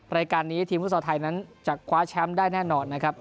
รายการนี้ทีมฟุตซอลไทยนั้นจะคว้าแชมป์ได้แน่นอนนะครับ